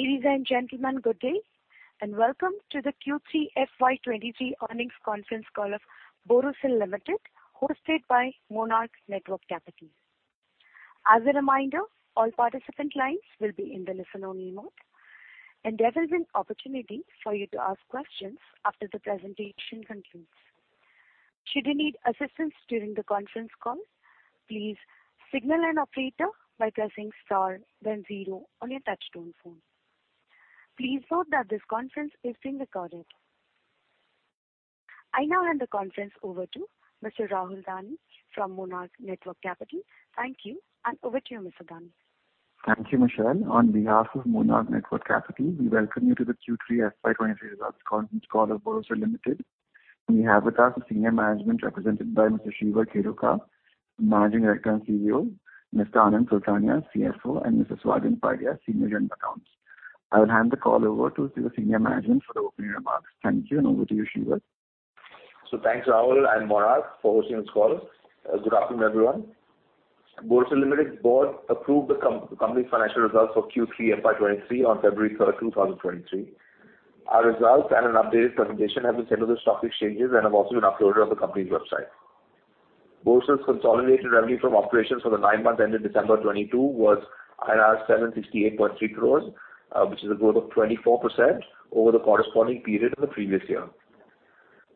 Ladies and gentlemen, good day, welcome to the Q3 FY23 earnings conference call of Borosil Limited, hosted by Monarch Networth Capital. As a reminder, all participant lines will be in the listen-only mode, there will be an opportunity for you to ask questions after the presentation concludes. Should you need assistance during the conference call, please signal an operator by pressing star then zero on your touchtone phone. Please note that this conference is being recorded. I now hand the conference over to Mr. Rahul Dani from Monarch Networth Capital. Thank you, over to you, Mr. Dani. Thank you, Michelle. On behalf of Monarch Networth Capital, we welcome you to the Q3 FY23 results conference call of Borosil Limited. We have with us the senior management represented by Mr. Shiva Kheruka, Managing Director and CEO, Mr. Anand Sultania, CFO, and Mr. Swadhin Padilla, Senior General Accounts. I will hand the call over to the senior management for the opening remarks. Thank you, and over to you, Shiva. Thanks, Rahul and Monarch for hosting this call. Good afternoon, everyone. Borosil Limited board approved the company's financial results for Q3 FY23 on 3 February, 2023. Our results and an updated presentation have been sent to the stock exchanges and have also been uploaded on the company's website. Borosil's consolidated revenue from operations for the nine months ended December 22 was 768.3 crores, which is a growth of 24% over the corresponding period of the previous year.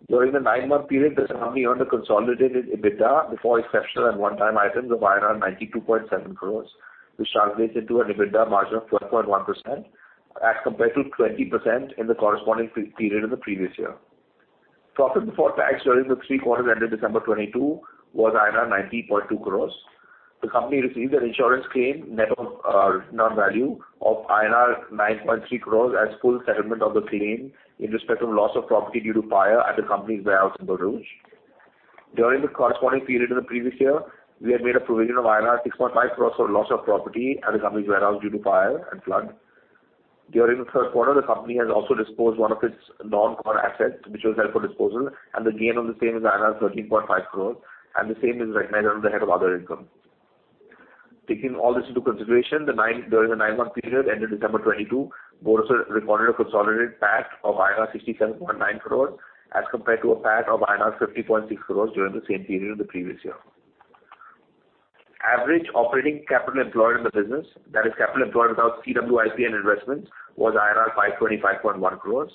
During the nine-month period, the company earned a consolidated EBITDA before exceptional and one-time items of 92.7 crores, which translates into an EBITDA margin of 12.1% as compared to 20% in the corresponding period of the previous year. Profit before tax during the three quarters ended December 22 was 90.2 crores. The company received an insurance claim net of non-value of INR 9.3 crores as full settlement of the claim in respect of loss of property due to fire at the company's warehouse in Bharuch. During the corresponding period in the previous year, we had made a provision of 6.5 crores for loss of property at the company's warehouse due to fire and flood. During the third quarter, the company has also disposed one of its non-core assets which was held for disposal, and the gain on the same is 13.5 crores, and the same is recognized under the head of other income. Taking all this into consideration, during the nine-month period ended December 2022, Borosil recorded a consolidated PAT of INR 67.9 crores as compared to a PAT of INR 50.6 crores during the same period of the previous year. Average operating capital employed in the business, that is capital employed without CWIP and investments, was 525.1 crores.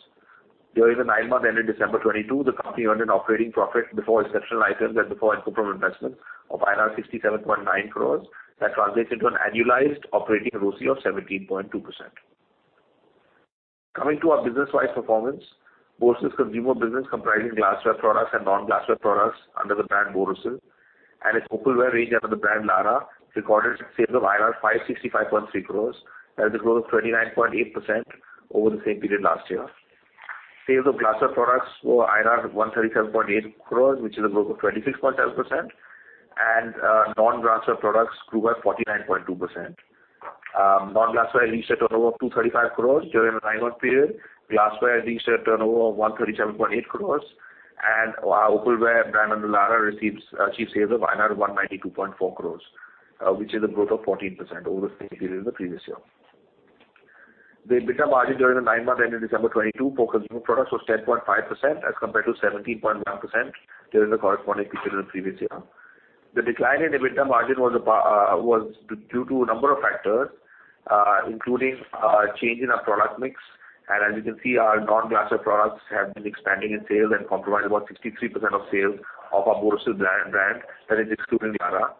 During the nine months ended December 2022, the company earned an operating profit before exceptional items and before improvement investments of 67.9 crores. That translates into an annualized operating ROCE of 17.2%. Coming to our business-wise performance, Borosil's consumer business comprising glassware products and non-glassware products under the brand Borosil and its cookware range under the brand Larah recorded sales of 565.3 crores. That is a growth of 29.8% over the same period last year. Sales of glassware products were 137.8 crores, which is a growth of 26.7%, and non-glassware products grew by 49.2%. Non-glassware reached a turnover of 235 crores during the nine-month period. Glassware reached a turnover of 137.8 crores. Our cookware brand under Larah achieved sales of INR 192.4 crores, which is a growth of 14% over the same period in the previous year. The EBITDA margin during the nine months ended December 2022 for consumer products was 10.5% as compared to 17.1% during the corresponding period in the previous year. The decline in EBITDA margin was due to a number of factors, including change in our product mix. As you can see, our non-glassware products have been expanding in sales and comprise about 63% of sales of our Borosil brand and it's excluding Larah.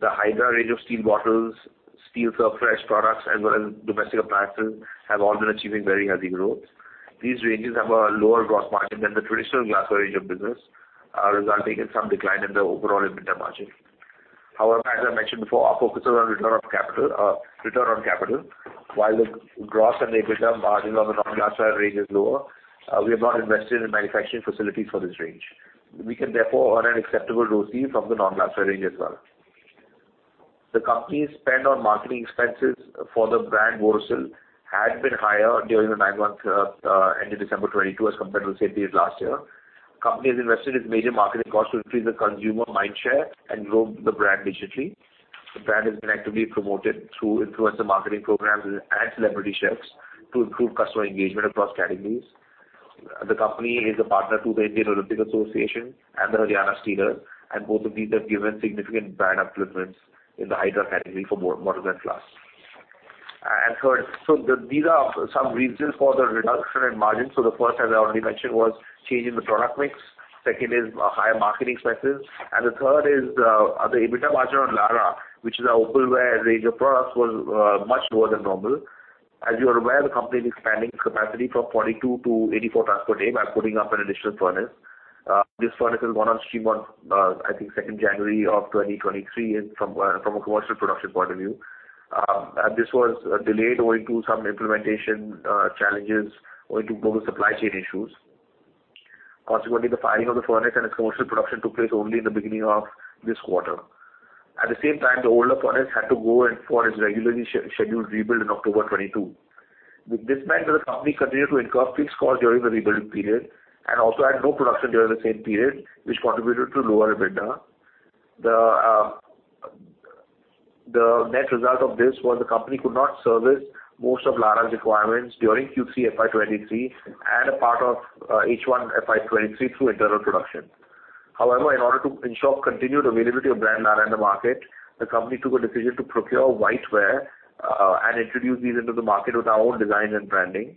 The Hydra range of steel bottles, Steel Fresh products, as well as domestic appliances have all been achieving very healthy growth. These ranges have a lower gross margin than the traditional glassware range of business, resulting in some decline in the overall EBITDA margin. However, as I mentioned before, our focus is on return of capital, return on capital. While the gross and EBITDA margin on the non-glassware range is lower, we have not invested in manufacturing facilities for this range. We can therefore earn an acceptable ROCE from the non-glassware range as well. The company's spend on marketing expenses for the brand Borosil had been higher during the nine months ended December 2022 as compared to the same period last year. Company has invested its major marketing costs to increase the consumer mindshare and grow the brand digitally. The brand has been actively promoted through influencer marketing programs and celebrity chefs to improve customer engagement across categories. The company is a partner to the Indian Olympic Association and the Haryana Steelers, both of these have given significant brand uplifts in the Hydra category for bottled water glass. Third, these are some reasons for the reduction in margin. The first, as I already mentioned, was change in the product mix. Second is higher marketing expenses. The third is, the EBITDA margin on Larah, which is our cookware range of products, was much lower than normal. As you are aware, the company is expanding capacity from 42 to 84 tons per day by putting up an additional furnace. This furnace has gone on stream on, I think 2 January, 2023 from a commercial production point of view. This was delayed owing to some implementation challenges owing to global supply chain issues. Consequently, the firing of the furnace and its commercial production took place only in the beginning of this quarter. At the same time, the older furnace had to go and for its regularly scheduled rebuild in October 2022. With this meant that the company continued to incur fixed costs during the rebuild period and also had no production during the same period, which contributed to lower EBITDA. The net result of this was the company could not service most of Larah's requirements during Q3 FY23 and a part of H1 FY23 through internal production. However, in order to ensure continued availability of brand Larah in the market, the company took a decision to procure whiteware and introduce these into the market with our own design and branding.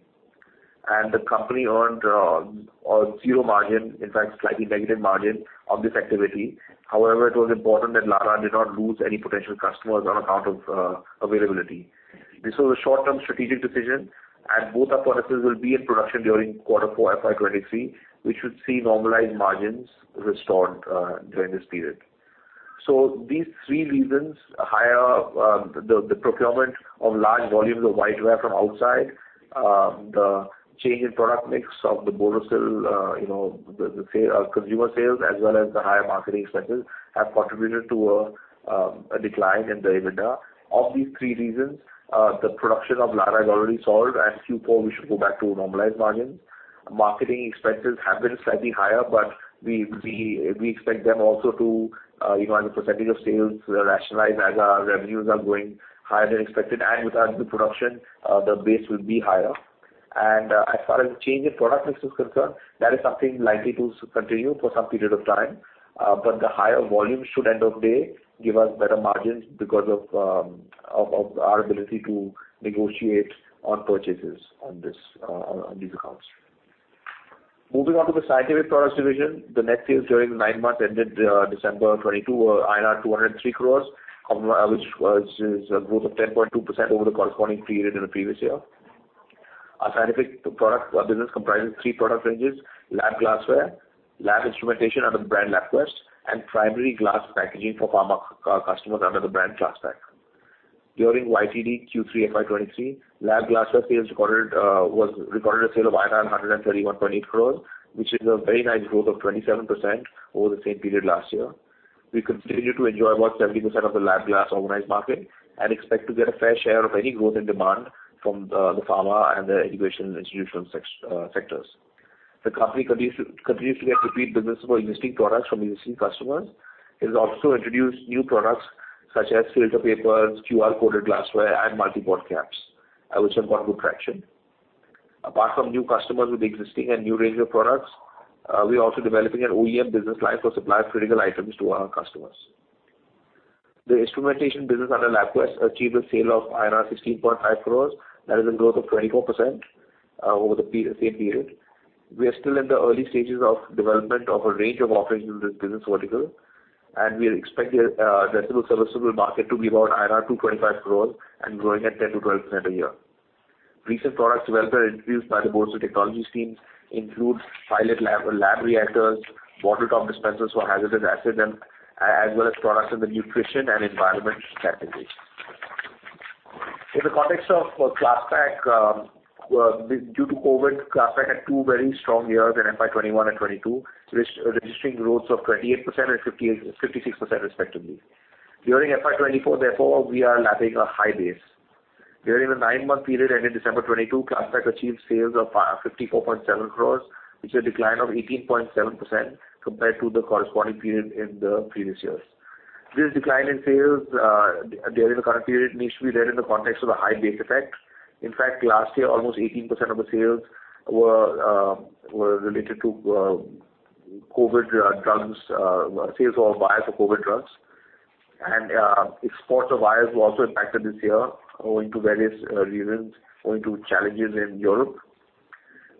The company earned a zero margin, in fact, slightly negative margin on this activity. However, it was important that Larah did not lose any potential customers on account of availability. This was a short-term strategic decision. Both our products will be in production during quarter four FY23. We should see normalized margins restored during this period. These three reasons, higher the procurement of large volumes of whiteware from outside, the change in product mix of the Borosil, you know, the consumer sales as well as the higher marketing expenses, have contributed to a decline in the EBITDA. Of these three reasons, the production of Larah is already solved, and Q4 we should go back to normalized margins. Marketing expenses have been slightly higher, but we expect them also to, you know, on a percentage of sales rationalize as our revenues are growing higher than expected. With our new production, the base will be higher. As far as change in product mix is concerned, that is something likely to continue for some period of time. But the higher volume should end of day give us better margins because of our ability to negotiate on purchases on these accounts. Moving on to the scientific products division. The net sales during the 9 months ended December 2022 were INR 203 crores, which is a growth of 10.2% over the corresponding period in the previous year. Our scientific product business comprises three product ranges: lab glassware, lab instrumentation under the brand LabQuest, and primary glass packaging for pharma customers under the brand Klasspack. During YTD Q3 FY23, lab glassware sales recorded a sale of 131.8 crores, which is a very nice growth of 27% over the same period last year. We continue to enjoy about 70% of the lab glass organized market and expect to get a fair share of any growth in demand from the pharma and the education institutional sectors. The company continues to get repeat business for existing products from existing customers. It has also introduced new products such as filter papers, QR-coded glassware, and Multiport caps, which have got good traction. Apart from new customers with existing and new range of products, we are also developing an OEM business line for supply of critical items to our customers. The instrumentation business under LabQuest achieved a sale of 16.5 crores. That is a growth of 24% over the same period. We are still in the early stages of development of a range of offerings in this business vertical. We expect the addressable market to be about 225 crores and growing at 10%-12% a year. Recent product developments introduced by the Borosil Technologies team include pilot lab reactors, bottle top dispensers for hazardous acid as well as products in the nutrition and environment categories. In the context of Klasspack, due to COVID, Klasspack had two very strong years in FY 2021 and 2022, registering growths of 28% and 56% respectively. During FY 2024, therefore, we are lapping a high base. During the nine-month period ending December 2022, Klasspack achieved sales of 54.7 crores, which is a decline of 18.7% compared to the corresponding period in the previous years. This decline in sales during the current period needs to be read in the context of a high base effect. In fact, last year, almost 18% of the sales were related to COVID drugs, sales of vials for COVID drugs. Exports of vials were also impacted this year owing to various reasons, owing to challenges in Europe.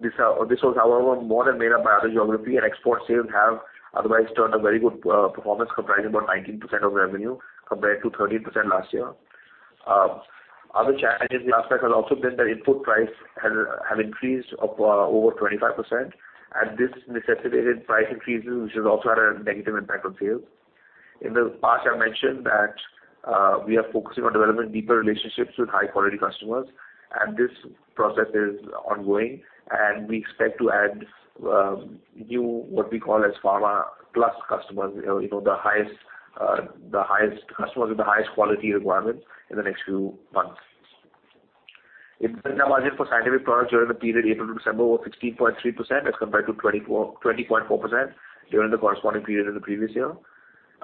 This was, however, more than made up by other geography and export sales have otherwise turned a very good performance comprising about 19% of revenue, compared to 13% last year. Other challenges Klasspack has also been the input price has, have increased up over 25%, and this necessitated price increases, which has also had a negative impact on sales. In the past, I mentioned that, we are focusing on developing deeper relationships with high-quality customers. This process is ongoing, we expect to add new what we call as pharma plus customers, you know, the highest customers with the highest quality requirements in the next few months. EBITDA margin for scientific products during the period April to December was 16.3% as compared to 20.4% during the corresponding period in the previous year.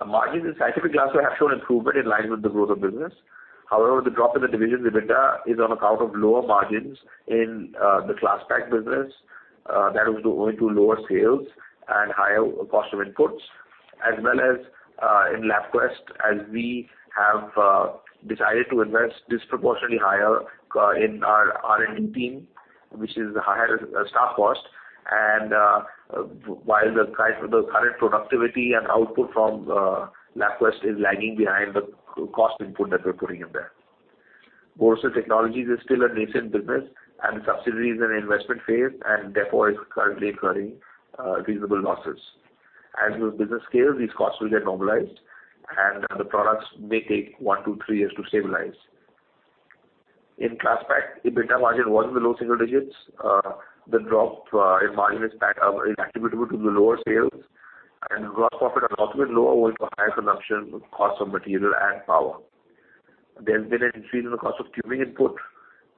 Margins in scientific glassware have shown improvement in line with the growth of business. However, the drop in the division EBITDA is on account of lower margins in the Klasspack business, that was owing to lower sales and higher cost of inputs, as well as in LabQuest as we have decided to invest disproportionately higher in our R&D team, which is higher staff cost. While the current productivity and output from LabQuest is lagging behind the cost input that we're putting in there. Borosil Technologies is still a nascent business and the subsidiary is in an investment phase and therefore is currently incurring reasonable losses. As the business scales, these costs will get normalized and the products may take one to three years to stabilize. In Klasspack, EBITDA margin was in the low single digits. The drop in margin is attributable to the lower sales. Gross profit are also lower owing to higher consumption of cost of material and power. There has been an increase in the cost of tubing input,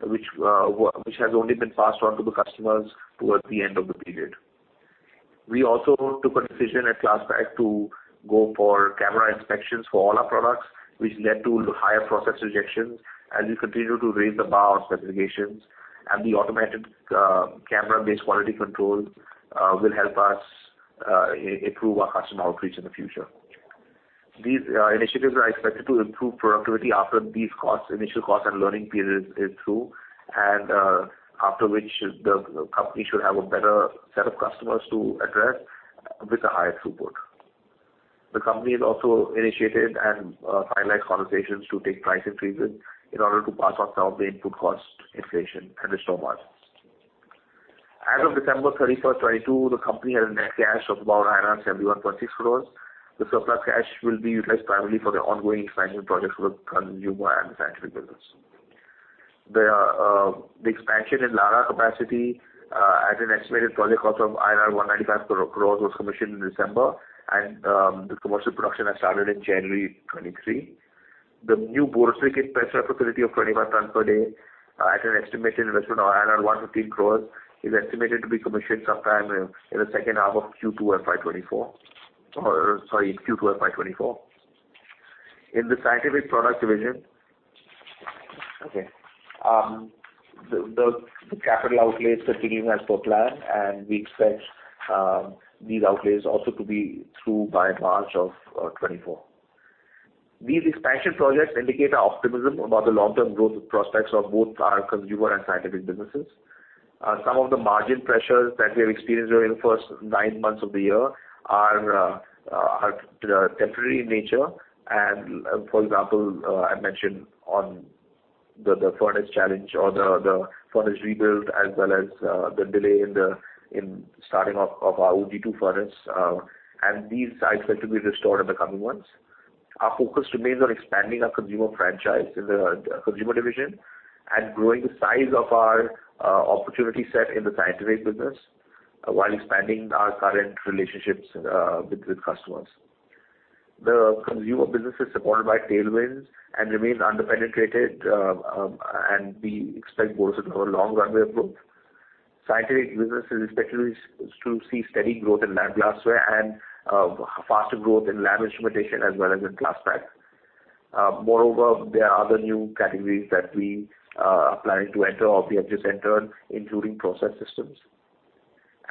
which has only been passed on to the customers towards the end of the period. We also took a decision at Klasspack to go for camera inspections for all our products, which led to higher process rejections as we continue to raise the bar on specifications and the automatic, camera-based quality control, will help us improve our customer outreach in the future. These initiatives are expected to improve productivity after these costs, initial costs and learning period is through and after which the company should have a better set of customers to address with a higher throughput. The company has also initiated and finalized conversations to take price increases in order to pass on some of the input cost inflation and the stock markets. As of 31st December, 2022, the company had a net cash of about 71 crores. The surplus cash will be utilized primarily for the ongoing expansion projects for the consumer and scientific business. The expansion in Larah capacity, at an estimated project cost of 195 crores was commissioned in December, and the commercial production has started in January 2023. The new borosilicate pressure facility of 25 tons per day, at an estimated investment of 115 crores, is estimated to be commissioned sometime in the second half of Q2 FY24. Sorry, Q2 FY24. In the scientific product division... Okay, the capital outlays continuing as per plan, and we expect these outlays also to be through by March of 2024. These expansion projects indicate our optimism about the long-term growth prospects of both our consumer and scientific businesses. Some of the margin pressures that we have experienced during the first nine months of the year are temporary in nature. For example, I mentioned on the furnace challenge or the furnace rebuild, as well as the delay in starting of our OG-2 furnace, and these sites are to be restored in the coming months. Our focus remains on expanding our consumer franchise in the consumer division and growing the size of our opportunity set in the scientific business while expanding our current relationships with the customers. The consumer business is supported by tailwinds and remains under-penetrated, and we expect Borosil to have a long runway of growth. Scientific business is expected to see steady growth in lab glassware and faster growth in lab instrumentation as well as in Klasspack. Moreover, there are other new categories that we are planning to enter or we have just entered, including process systems.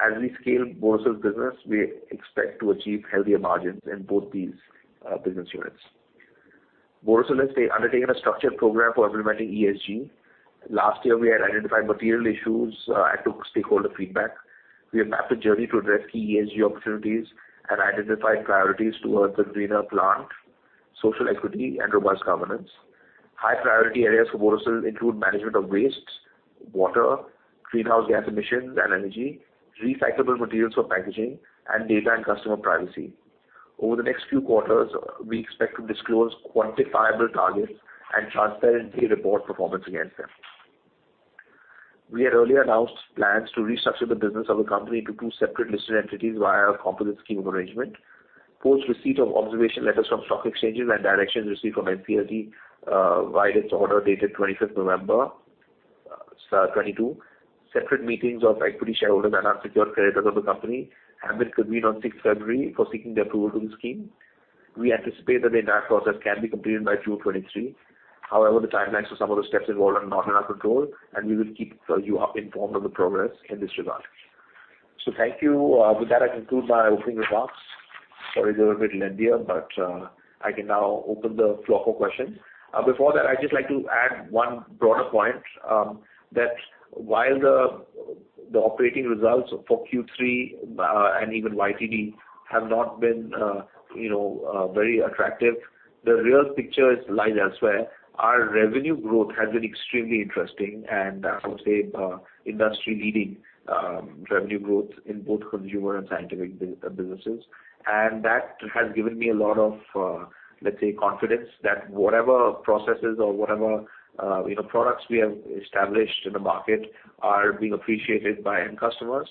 As we scale Borosil business, we expect to achieve healthier margins in both these business units. Borosil has, they undertaken a structured program for implementing ESG. Last year, we had identified material issues and took stakeholder feedback. We have mapped a journey to address key ESG opportunities and identified priorities towards a greener plant, social equity and robust governance. High priority areas for Borosil include management of wastes, water, greenhouse gas emissions and energy, recyclable materials for packaging and data and customer privacy. Over the next few quarters, we expect to disclose quantifiable targets and transparently report performance against them. We had earlier announced plans to restructure the business of the company into two separate listed entities via a composite scheme arrangement. Post receipt of observation letters from stock exchanges and directions received from NCLT, via its order dated 25th November 2022, separate meetings of equity shareholders and unsecured creditors of the company have been convened on 6th February for seeking the approval to the scheme. We anticipate that the entire process can be completed by June 2023. However, the timelines for some of the steps involved are not in our control, and we will keep you up informed on the progress in this regard. Thank you. With that, I conclude my opening remarks. Sorry they were a bit lengthier, but I can now open the floor for questions. Before that, I'd just like to add one broader point, that while the operating results for Q3 and even YTD have not been, you know, very attractive, the real picture is, lies elsewhere. Our revenue growth has been extremely interesting and I would say industry-leading revenue growth in both consumer and scientific businesses. That has given me a lot of, let's say, confidence that whatever processes or whatever, you know, products we have established in the market are being appreciated by end customers.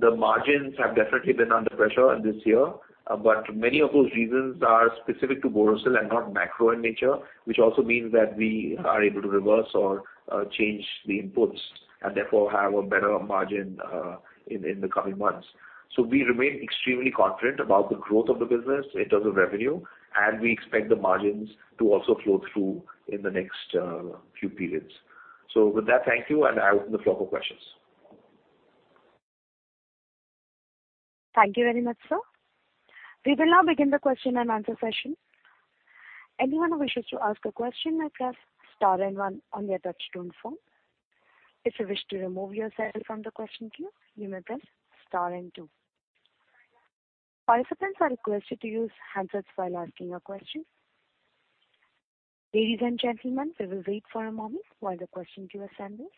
The margins have definitely been under pressure this year, but many of those reasons are specific to Borosil and not macro in nature, which also means that we are able to reverse or change the inputs and therefore have a better margin in the coming months. We remain extremely confident about the growth of the business in terms of revenue, and we expect the margins to also flow through in the next few periods. With that, thank you, and I open the floor for questions. Thank you very much, sir. We will now begin the question and answer session. Anyone who wishes to ask a question may press star and one on your touchtone phone. If you wish to remove yourself from the question queue, you may press star and two. Participants are requested to use handsets while asking a question. Ladies and gentlemen, we will wait for a moment while the question queue assembles.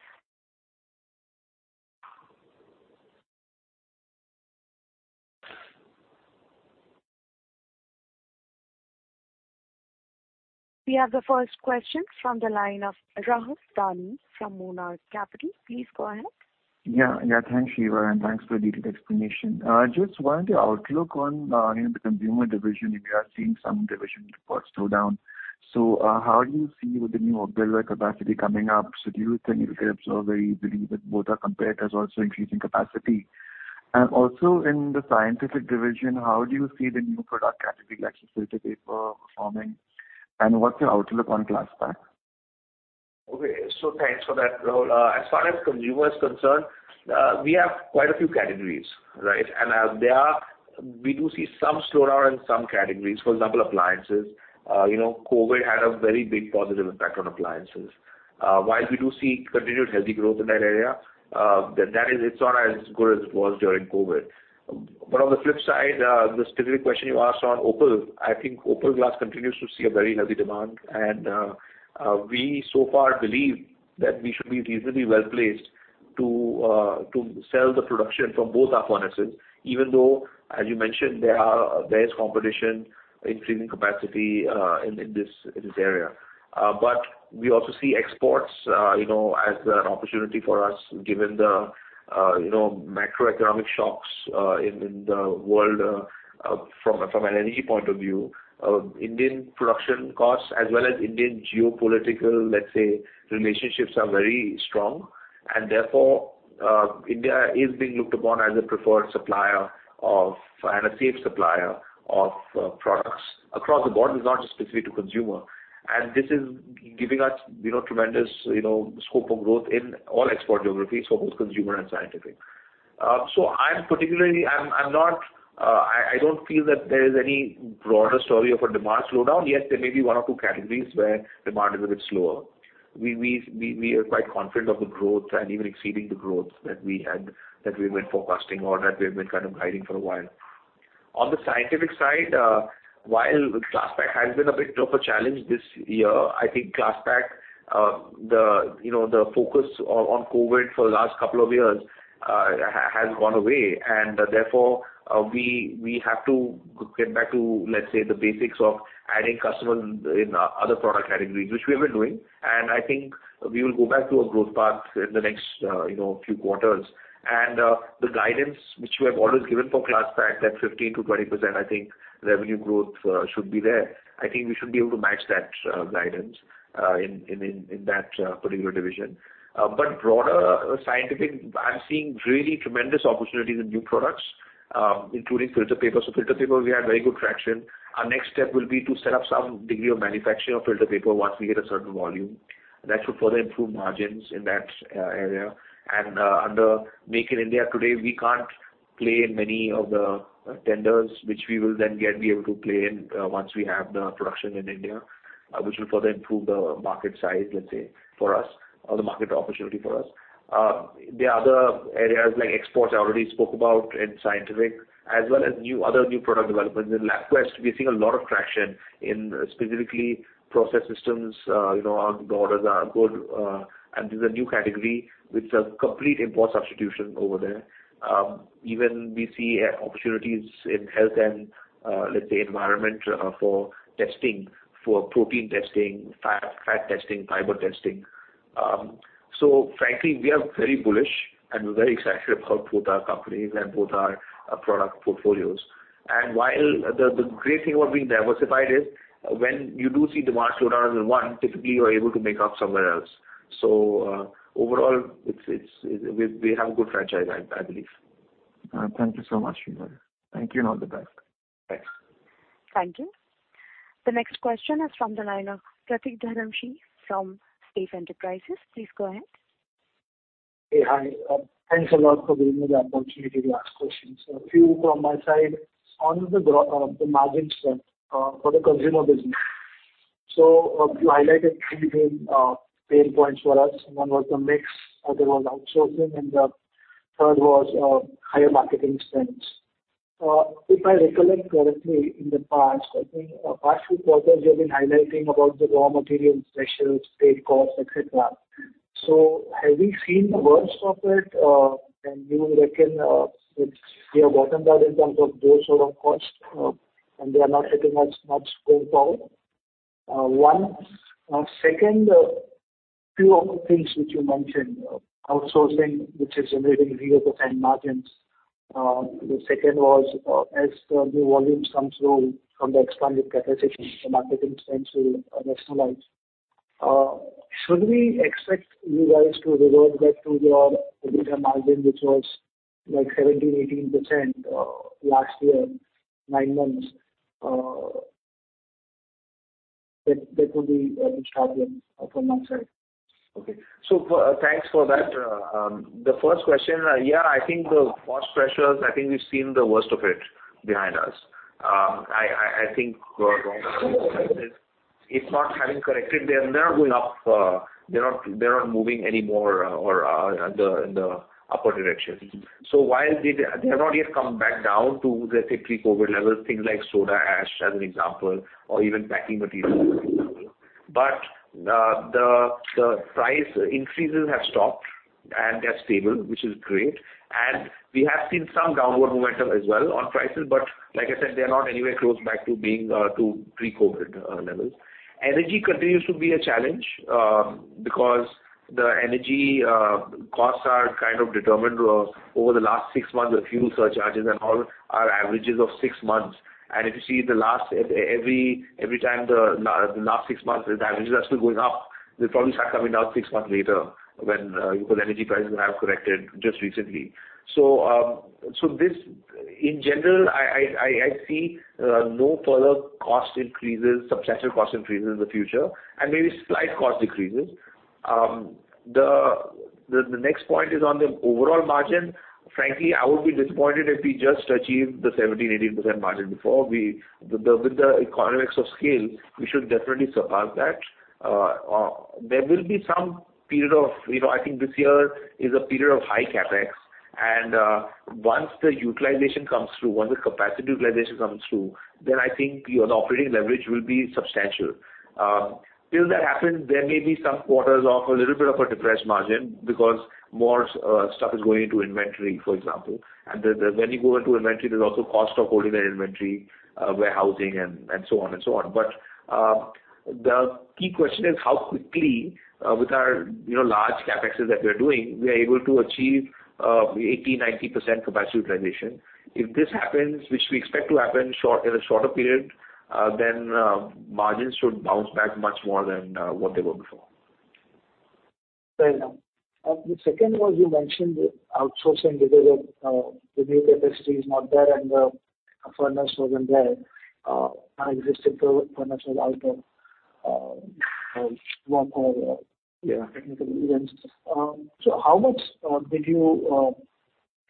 We have the first question from the line of Rahul Dani from Monarch Networth Capital. Please go ahead. Yeah. Yeah. Thanks, Shiva, and thanks for the detailed explanation. Just wanted your outlook on, you know, the consumer division, if you are seeing some division reports slow down. How do you see with the new Opal capacity coming up? Do you think it could absorb very easily with both our competitors also increasing capacity? In the scientific division, how do you see the new product category, like filter paper, performing? What's your outlook on Klasspack? Thanks for that, Rahul. As far as consumer is concerned, we have quite a few categories, right? We do see some slowdown in some categories. For example, appliances. You know, COVID had a very big positive impact on appliances. While we do see continued healthy growth in that area, that is it's not as good as it was during COVID. On the flip side, the specific question you asked on Opal, I think Opal Glass continues to see a very healthy demand. We so far believe that we should be reasonably well placed to sell the production from both our furnaces, even though, as you mentioned, there is competition increasing capacity in this area. We also see exports, you know, as an opportunity for us, given the, you know, macroeconomic shocks in the world, from a, from an energy point of view. Indian production costs as well as Indian geopolitical, let's say, relationships are very strong, and therefore, India is being looked upon as a preferred supplier of, and a safe supplier of, products across the board. It's not just specific to consumer. This is giving us, you know, tremendous, you know, scope of growth in all export geographies for both consumer and scientific. I'm particularly... I'm not, I don't feel that there is any broader story of a demand slowdown. Yes, there may be one or two categories where demand is a bit slower. We are quite confident of the growth and even exceeding the growth that we had, that we've been forecasting or that we've been kind of guiding for a while. On the scientific side, while Klasspack has been a bit of a challenge this year, I think Klasspack, you know, the focus on COVID for the last couple of years has gone away. Therefore, we have to get back to, let's say, the basics of adding customers in other product categories, which we have been doing. I think we will go back to a growth path in the next, you know, few quarters. The guidance which we have always given for Klasspack, that 15%-20%, I think revenue growth should be there. I think we should be able to match that guidance in in in in that particular division. Broader scientific, I'm seeing really tremendous opportunities in new products, including filter paper. So filter paper, we have very good traction. Our next step will be to set up some degree of manufacturing of filter paper once we get a certain volume. That should further improve margins in that area. Under Make in India today, we can't play in many of the tenders, which we will then get be able to play in once we have the production in India, which will further improve the market size, let's say, for us or the market opportunity for us. The other areas like exports, I already spoke about in scientific, as well as new, other new product developments. In LabQuest, we're seeing a lot of traction in specifically process systems. you know, our, the orders are good. This is a new category with a complete import substitution over there. Even we see opportunities in health and, let's say, environment, for testing, for protein testing, fat testing, fiber testing. Frankly, we are very bullish and we're very excited about both our companies and both our product portfolios. While the great thing about being diversified is when you do see demand slowdown in one, typically you're able to make up somewhere else. Overall, it's, it-- we have a good franchise, I believe. Thank you so much. Thank you, all the best. Thanks. Thank you. The next question is from Dalaila Pratik Dharamsi from Safe Enterprises. Please go ahead. Hey. Hi. Thanks a lot for giving me the opportunity to ask questions. A few from my side. On the margin front for the consumer business. You highlighted three main pain points for us. One was the mix, other was outsourcing, and the third was higher marketing spends. If I recollect correctly, in the past, I think, past few quarters you have been highlighting about the raw material pressures, trade costs, et cetera. Have we seen the worst of it? And do you reckon we have bottomed out in terms of those sort of costs, and they are not getting much worse out? One. Second, few of the things which you mentioned, outsourcing, which is generating 0% margins. The second was, as the new volumes comes through from the expanded capacity, the marketing spends will rationalize. Should we expect you guys to revert back to your EBITDA margin, which was like 17%-18%, last year, nine months? That will be a big problem from my side. Okay. Thanks for that. The first question, yeah, I think the cost pressures, I think we've seen the worst of it behind us. I think raw material prices, if not having corrected, they are going up, they're not moving anymore, or in the upper direction. While they have not yet come back down to, let's say, pre-COVID levels, things like soda ash, as an example, or even packing material, as an example. The price increases have stopped and they're stable, which is great. We have seen some downward momentum as well on prices, but like I said, they're not anywhere close back to being to pre-COVID levels. Energy continues to be a challenge. The energy costs are kind of determined over the last six months of fuel surcharges and all are averages of six months. If you see the last Every time the last six months, the averages are still going up. They'll probably start coming down six months later when energy prices have corrected just recently. In general, I see no further cost increases, substantial cost increases in the future, and maybe slight cost decreases. The next point is on the overall margin. Frankly, I would be disappointed if we just achieved the 17%-18% margin before. With the economics of scale, we should definitely surpass that. There will be some period of, you know, I think this year is a period of high CapEx. Once the utilization comes through, once the capacity utilization comes through, then I think your operating leverage will be substantial. Till that happens, there may be some quarters of a little bit of a depressed margin because more stuff is going into inventory, for example. When you go into inventory, there's also cost of holding that inventory, warehousing and so on and so on. The key question is how quickly, with our, you know, large CapExes that we are doing, we are able to achieve 80%-90% capacity utilization. If this happens, which we expect to happen in a shorter period, then margins should bounce back much more than what they were before. Fair enough. The second one you mentioned, the outsourcing because of the new capacity is not there and the furnace wasn't there, existing furnace was out of work or, yeah, technical reasons. How much did you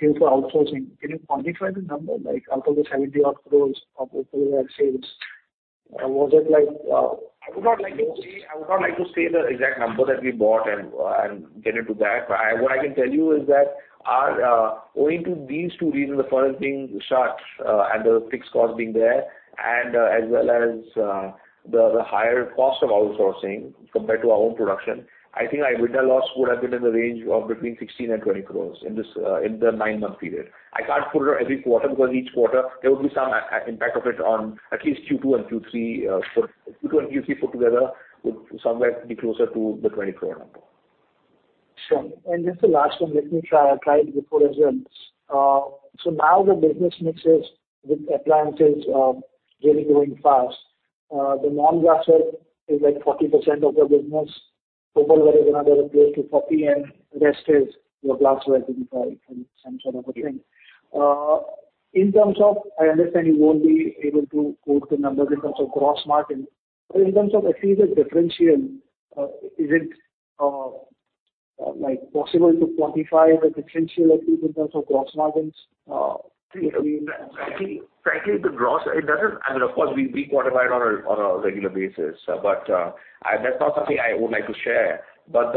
pay for outsourcing? Can you quantify the number, like out of this 70 odd crores of overall sales? Was it like, I would not like to say the exact number that we bought and get into that. What I can tell you is that our owing to these two reasons, the furnace being shut and the fixed cost being there, as well as the higher cost of outsourcing compared to our own production, I think our EBITDA loss would have been in the range of between 16 crore and 20 crore in this in the nine-month period. I can't put it on every quarter because each quarter there will be some impact of it on at least Q2 and Q3. Q2 and Q3 put together would somewhere be closer to the 20 crore number. Sure. Just the last one, let me try. I tried before as well. Now the business mixes with appliances really growing fast. The non-glassware is like 40% of your business. Opalware is another place to copy, rest is your glassware business or some sort of a thing. In terms of... I understand you won't be able to quote the numbers in terms of gross margin. In terms of at least the differential, is it like possible to quantify the differential at least in terms of gross margins? Frankly, the gross, it doesn't. I mean, of course, we quantify it on a regular basis. That's not something I would like to share. What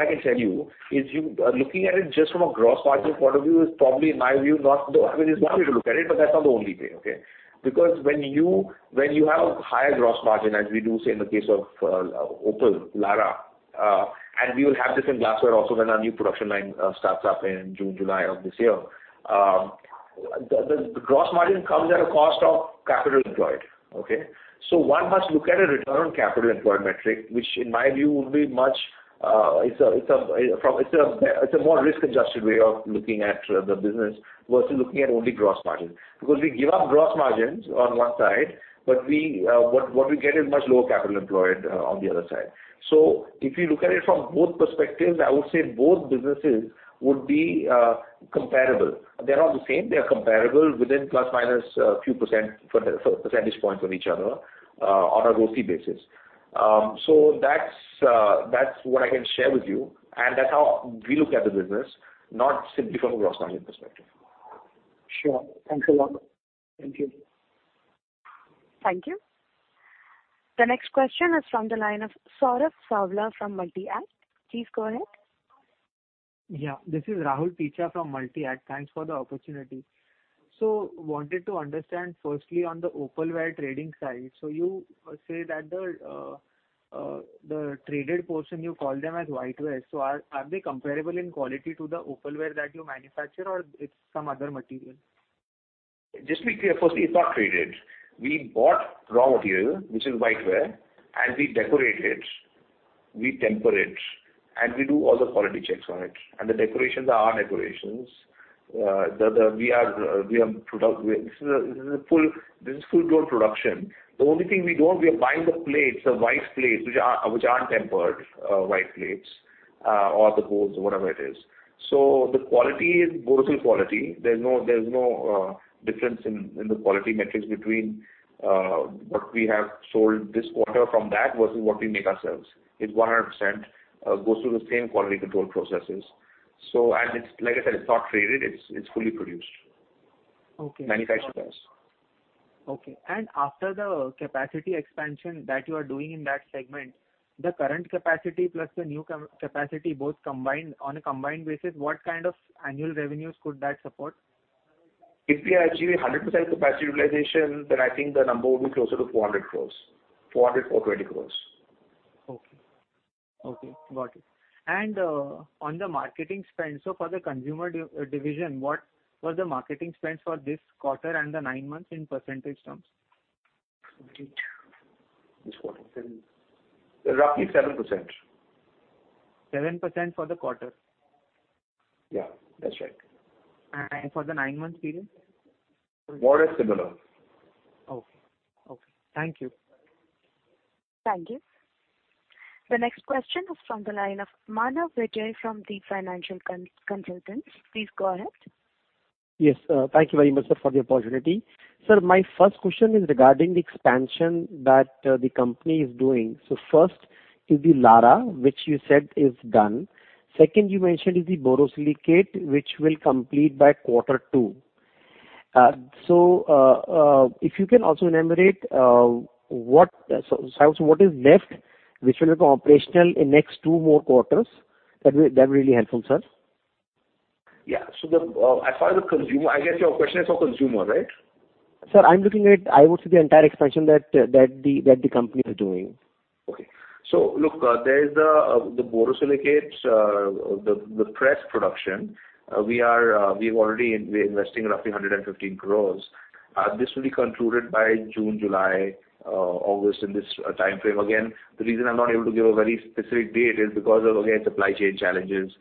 I can tell you is looking at it just from a gross margin point of view is probably, in my view, not the. I mean, it's one way to look at it, but that's not the only thing, okay? Because when you have higher gross margin, as we do, say, in the case of Opal, Lara, and we will have this in glassware also when our new production line starts up in June, July of this year. The gross margin comes at a cost of capital employed, okay? One must look at a return on capital employed metric, which in my view would be much, it's a more risk-adjusted way of looking at the business versus looking at only gross margin. We give up gross margins on one side, but we, what we get is much lower capital employed on the other side. If you look at it from both perspectives, I would say both businesses would be comparable. They're not the same. They are comparable within plus-minus few % for the, for percentage points of each other on a ROCE basis. So that's what I can share with you, and that's how we look at the business, not simply from a gross margin perspective. Sure. Thanks a lot. Thank you. Thank you. The next question is from the line of Saurabh Savla from Multi-Act. Please go ahead. Yeah. This is Rahul Ticha from Multi-Act. Thanks for the opportunity. Wanted to understand firstly on the opalware trading side. You say that the traded portion, you call them as whiteware. Are they comparable in quality to the opalware that you manufacture or it's some other material? Just to be clear, firstly, it's not traded. We bought raw material, which is whiteware, and we decorate it, we temper it, and we do all the quality checks on it. The... We are, we have product. This is a full, this is full-blown production. The only thing we don't, we are buying the plates, the white plates, which are, which aren't tempered, white plates, or the bowls or whatever it is. The quality is Borosil quality. There's no difference in the quality metrics between what we have sold this quarter from that versus what we make ourselves. It 100% goes through the same quality control processes. And it's, like I said, it's not traded, it's fully produced. Okay. Manufactured by us. Okay. After the capacity expansion that you are doing in that segment, the current capacity plus the new capacity both combined on a combined basis, what kind of annual revenues could that support? If we achieve 100% capacity utilization, I think the number would be closer to 400 crores. 400 crores or 20 crores. Okay, got it. On the marketing spend, for the consumer division, what was the marketing spend for this quarter and the nine months in percentage terms? This quarter. Roughly 7%. 7% for the quarter? Yeah, that's right. For the nine-month period? More or similar. Okay. Okay. Thank you. Thank you. The next question is from the line of Manav Vijay from The Financial Consultants. Please go ahead. Yes, thank you very much, sir, for the opportunity. Sir, my first question is regarding the expansion that the company is doing. First is the Larah, which you said is done. Second, you mentioned is the borosilicate, which will complete by quarter two. If you can also enumerate what is left, which will become operational in next two more quarters. That would be really helpful, sir. Yeah. The, as far as the consumer, I guess your question is for consumer, right? Sir, I'm looking at, I would say, the entire expansion that the company is doing. Okay. Look, there is the borosilicate, the press production. We're investing roughly 115 crores. This will be concluded by June, July, August, in this timeframe. Again, the reason I'm not able to give a very specific date is because of, again, supply chain challenges,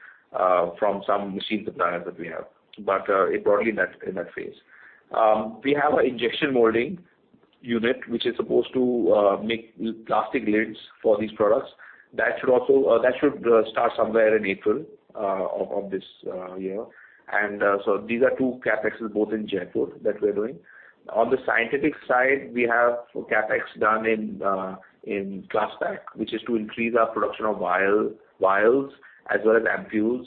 from some machine suppliers that we have. It broadly in that phase. We have an injection molding unit, which is supposed to make plastic lids for these products. That should also start somewhere in April of this year. These are two CapEx both in Jaipur that we're doing. On the scientific side, we have CapEx done in Klasspack, which is to increase our production of vials as well as ampules.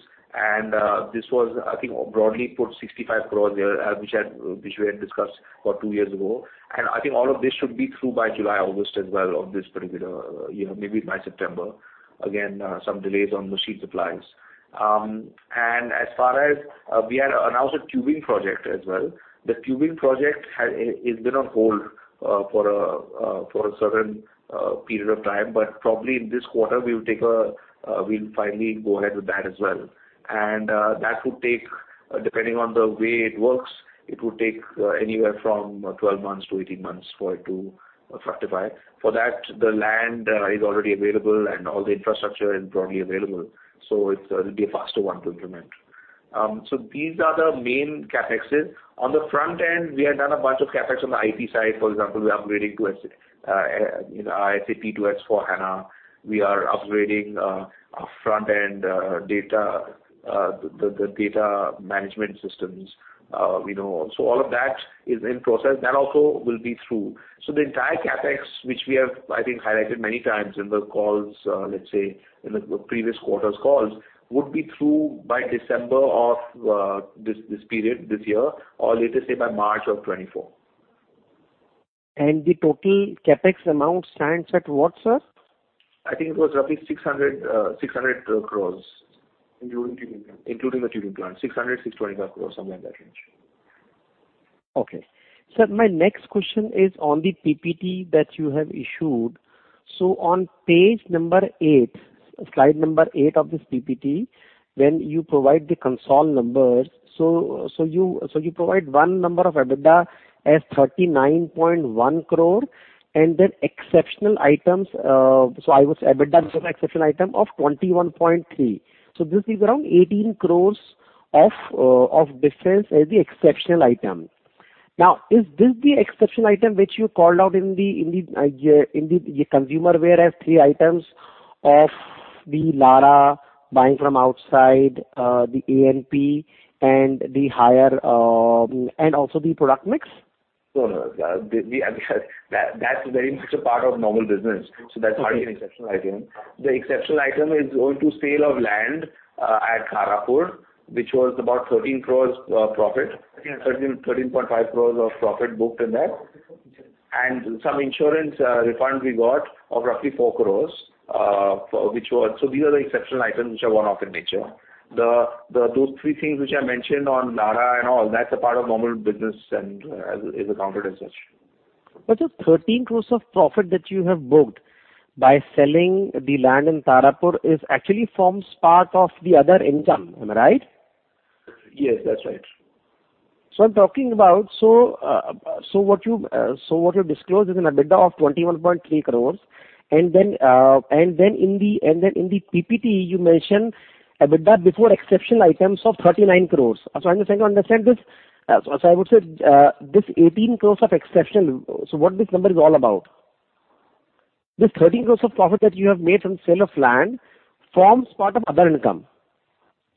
This was, I think, broadly put 65 crores there, which we had discussed about two years ago. I think all of this should be through by July, August as well on this particular year, maybe by September. Again, some delays on machine supplies. As far as we had announced a tubing project as well. The tubing project has, is been on hold for a certain period of time. Probably in this quarter we'll finally go ahead with that as well. That would take, depending on the way it works, it would take anywhere from 12 months to 18 months for it to fructify. For that, the land is already available and all the infrastructure is broadly available, so it's a faster one to implement. These are the main CapExes. On the front end, we have done a bunch of CapEx on the IT side. For example, we are upgrading to, you know, SAP to S/4HANA. We are upgrading our front-end data, the data management systems, we know. All of that is in process. That also will be through. The entire CapEx, which we have, I think, highlighted many times in the calls, let's say in the previous quarters' calls, would be through by December of this period, this year, or let us say by March of 2024. The total CapEx amount stands at what, sir? I think it was roughly 600 crores. Including tubing plant. Including the tubing plant. 600 crores, 625 crores, somewhere in that range. Sir, my next question is on the PPT that you have issued. On page number eight, slide number eight of this PPT, when you provide the console numbers, so you provide one number of EBITDA as 39.1 crore, and then exceptional items. So I would say EBITDA is an exceptional item of 21.3 crore. This is around 18 crores of difference as the exceptional item. Is this the exceptional item which you called out in the, in the consumer ware as three items of the Larah buying from outside, the ANP and the higher, and also the product mix? No, no. The that's very much a part of normal business, so that's hardly an exceptional item. The exceptional item is owing to sale of land at Tarapur, which was about 13 crores profit. 13.5 crores of profit booked in that. Some insurance refund we got of roughly 4 crores. These are the exceptional items which are one-off in nature. The those three things which I mentioned on Larah and all, that's a part of normal business and is accounted as such. The 13 crores of profit that you have booked by selling the land in Tarapur is actually forms part of the other income. Am I right? Yes, that's right. I'm talking about what you've disclosed is an EBITDA of 21.3 crores. In the PPT, you mentioned EBITDA before exceptional items of 39 crores. I'm just trying to understand this. I would say, this 18 crores of exceptional, so what this number is all about? This 13 crores of profit that you have made from sale of land forms part of other income.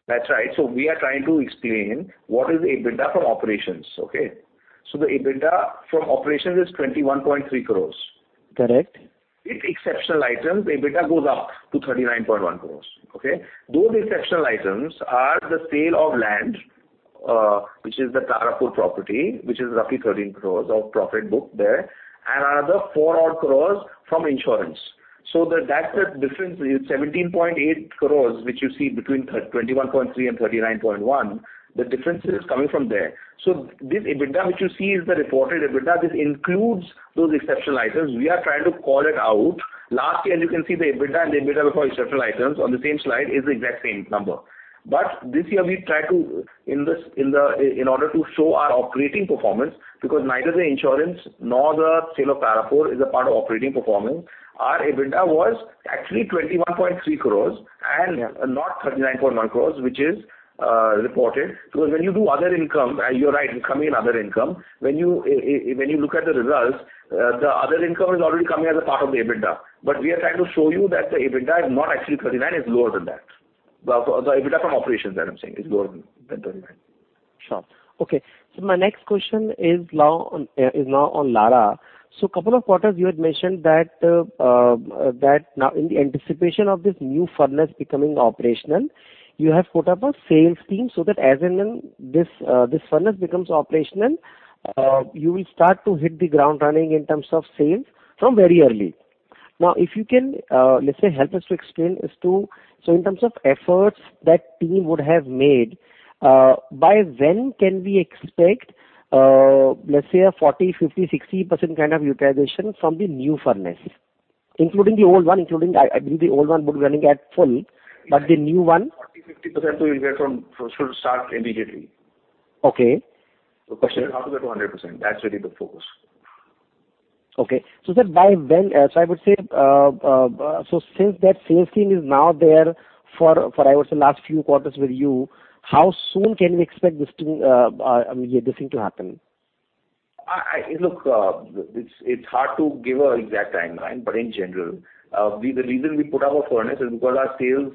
That's right. We are trying to explain what is EBITDA from operations, okay? The EBITDA from operations is 21.3 crores. Correct. With exceptional items, EBITDA goes up to 39.1 crores. Okay? Those exceptional items are the sale of land, which is the Tarapur property, which is roughly 13 crores of profit booked there, and another 4 odd crores from insurance. That's the difference. 17.8 crores, which you see between 21.3 and 39.1, the difference is coming from there. This EBITDA which you see is the reported EBITDA. This includes those exceptional items. We are trying to call it out. Last year, you can see the EBITDA and the EBITDA before exceptional items on the same slide is the exact same number. This year we tried to, in this, in order to show our operating performance, because neither the insurance nor the sale of Parafour is a part of operating performance, our EBITDA was actually 21.3 crores and not 39.1 crores, which is reported. When you do other income, you're right, it will come in other income. When you look at the results, the other income is already coming as a part of the EBITDA. We are trying to show you that the EBITDA is not actually 39, it's lower than that. The EBITDA from operations that I'm saying is lower than 39. Sure. Okay. My next question is now on Larah. Couple of quarters you had mentioned that now in the anticipation of this new furnace becoming operational, you have put up a sales team so that as and when this furnace becomes operational, you will start to hit the ground running in terms of sales from very early. If you can, let's say, help us to explain as to so in terms of efforts that team would have made, by when can we expect, let's say a 40%, 50%, 60% kind of utilization from the new furnace, including the old one, including. I believe the old one would be running at full, but the new one. 40, 50% we will get should start immediately. Okay. The question is how to get to 100%. That's really the focus. Okay. By when... I would say, since that sales team is now there for I would say last few quarters with you, how soon can we expect this team, I mean, this thing to happen? I... Look, it's hard to give an exact timeline, but in general, the reason we put up a furnace is because our sales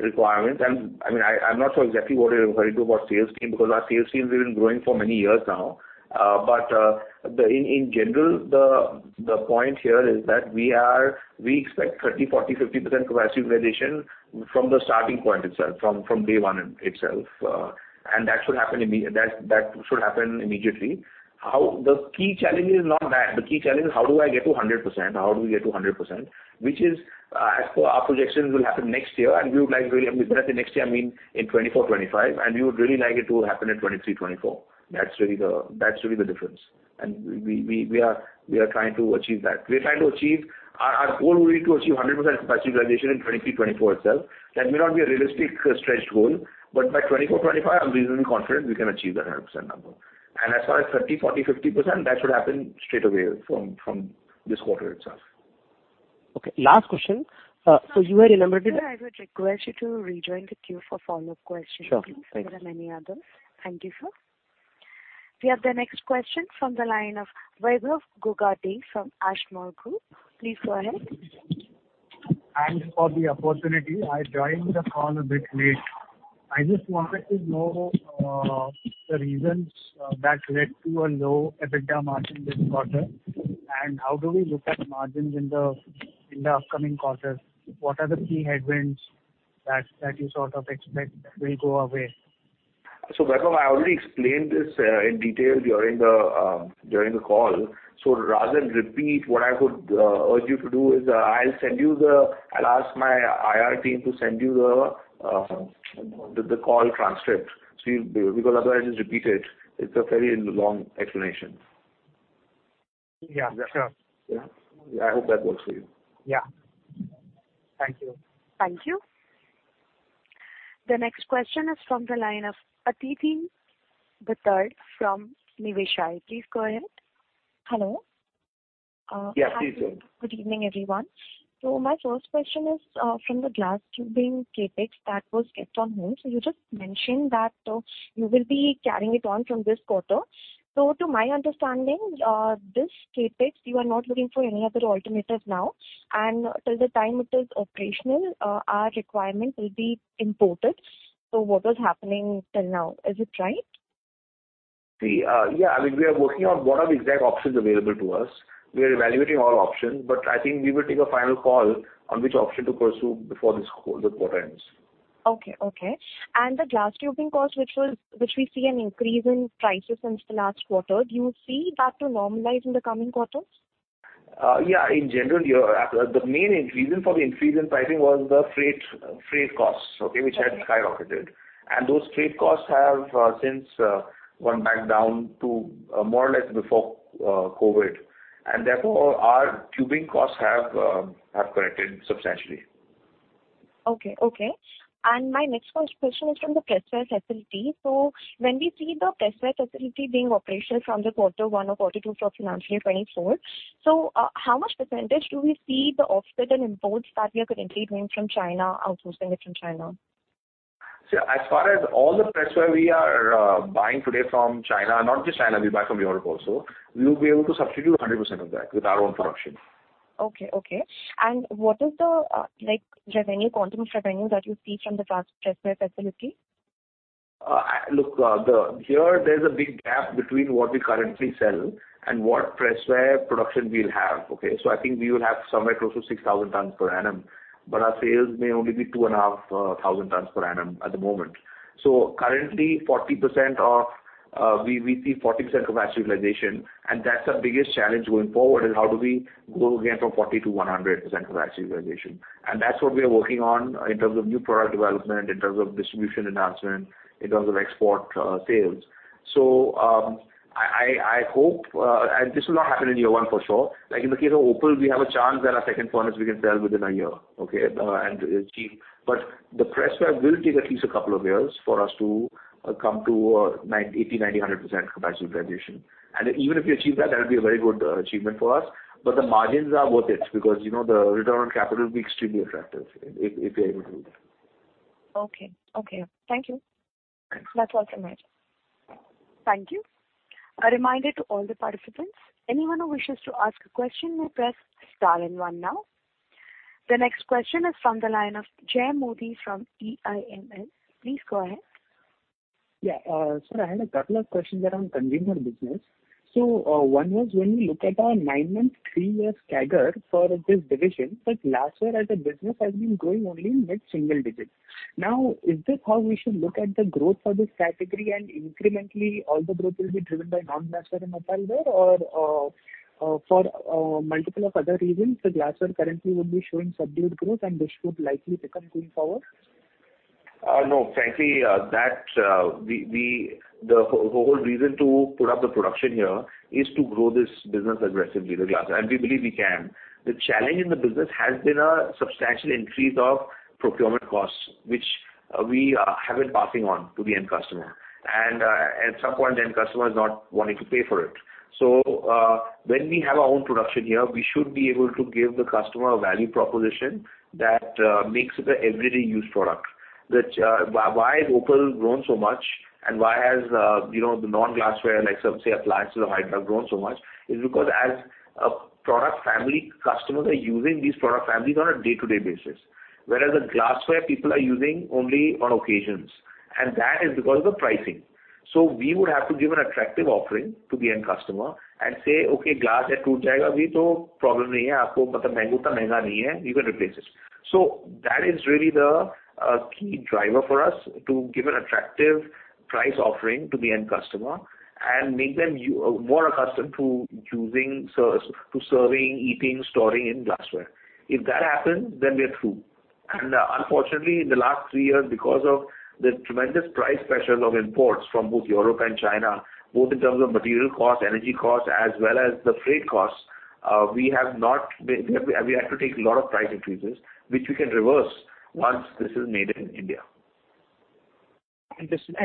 requirements, and I mean, I'm not sure exactly what you're referring to about sales team, because our sales team has been growing for many years now. The... In general, the point here is that we expect 30%, 40%, 50% capacity utilization from the starting point itself, from day 1 itself. That should happen immediately. The key challenge is not that. The key challenge is how do I get to 100%? How do we get to 100%? Which is, as per our projections, will happen next year, we would like really... By the next year, I mean in 2024-2025, and we would really like it to happen in 2023-2024. That's really the difference. We are trying to achieve that. Our goal would be to achieve 100% capacity utilization in 2023-2024 itself. That may not be a realistic stretched goal, but by 2024-2025, I'm reasonably confident we can achieve that 100% number. As far as 30%, 40%, 50%, that should happen straightaway from this quarter itself. Okay, last question. Sir, I would request you to rejoin the queue for follow-up questions. Sure. If there are many others. Thank you, sir. We have the next question from the line of Vaibhav Gogate from Ashmore Group. Please go ahead. Thanks for the opportunity. I joined the call a bit late. I just wanted to know, the reasons that led to a low EBITDA margin this quarter, and how do we look at margins in the upcoming quarters? What are the key headwinds that you sort of expect will go away? Vaibhav, I already explained this in detail during the call. Rather than repeat, what I would urge you to do is I'll ask my IR team to send you the call transcript. Because otherwise it's repeated. It's a very long explanation. Yeah, sure. Yeah. Yeah, I hope that works for you. Yeah. Thank you. Thank you. The next question is from the line of Aditi Bhattacharya from Niveshaay. Please go ahead. Hello? Yeah, please go ahead. Good evening, everyone. My first question is from the glass tubing CapEx that was kept on hold. You just mentioned that you will be carrying it on from this quarter. To my understanding, this CapEx, you are not looking for any other alternatives now. Till the time it is operational, our requirement will be imported. What is happening till now? Is it right? The, Yeah, I mean, we are working on what are the exact options available to us. We are evaluating all options, but I think we will take a final call on which option to pursue before this quarter ends. Okay, okay. The glass tubing cost, which was, which we see an increase in prices since the last quarter, do you see that to normalize in the coming quarters? In general, the main reason for the increase in pricing was the freight costs. Okay. Which had skyrocketed. Those freight costs have since gone back down to more or less before COVID. Therefore our tubing costs have corrected substantially. Okay, okay. My next question is from the pressware facility. When we see the pressware facility being operational from the quarter one or quarter two of financial 2024, how much % do we see the offset in imports that we are currently doing from China, outsourcing it from China? As far as all the pressware we are buying today from China, not just China, we buy from Europe also, we will be able to substitute 100% of that with our own production. Okay, okay. What is the, like revenue, quantum of revenue that you see from the pressware facility? Look, here, there's a big gap between what we currently sell and what pressware production we'll have, okay? I think we will have somewhere close to 6,000 tons per annum. But our sales may only be 2,500 tons per annum at the moment. Currently 40% of asset utilization, and that's our biggest challenge going forward, is how do we grow again from 40% to 100% of asset utilization. That's what we are working on in terms of new product development, in terms of distribution enhancement, in terms of export sales. I hope this will not happen in year 1 for sure. Like in the case of Opal, we have a chance that our second furnace we can sell within one year, okay, and achieve. The presswork will take at least a couple of years for us to come to 80%, 90%, 100% capacity utilization. Even if you achieve that would be a very good achievement for us. The margins are worth it because, you know, the return on capital will be extremely attractive if we are able to do that. Okay. Okay. Thank you. That's all from my end. Thank you. A reminder to all the participants, anyone who wishes to ask a question may press star and 1 now. The next question is from the line of Jay Modi from TINS. Please go ahead. Sir, I had a couple of questions around consumer business. One was when we look at our nine-month, three-year CAGR for this division, but glassware as a business has been growing only mid-single digit. Is this how we should look at the growth for this category and incrementally all the growth will be driven by non-glassware and Opalware or for multiple of other reasons, the glassware currently would be showing subdued growth and this would likely pick up going forward? No. Frankly, that, the whole reason to put up the production here is to grow this business aggressively, the glassware. We believe we can. The challenge in the business has been a substantial increase of procurement costs, which, we are haven't passing on to the end customer. At some point the end customer is not wanting to pay for it. When we have our own production here, we should be able to give the customer a value proposition that makes it a everyday use product. Which, why has Opal grown so much and why has, you know, the non-glassware, like some, say, appliances or why it has grown so much, is because as a product family, customers are using these product families on a day-to-day basis. The glassware people are using only on occasions, and that is because of the pricing. We would have to give an attractive offering to the end customer and say, "Okay, we will replace this." That is really the key driver for us to give an attractive price offering to the end customer and make them more accustomed to using to serving, eating, storing in glassware. If that happens, then we are through. Unfortunately, in the last 3 years, because of the tremendous price pressure of imports from both Europe and China, both in terms of material cost, energy cost as well as the freight costs, we had to take a lot of price increases, which we can reverse once this is Make in India. Understood.